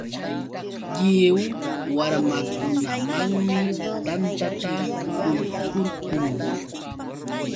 Lliw warmakunamanmi tantata quykurqun.